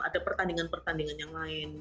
ada pertandingan pertandingan yang lain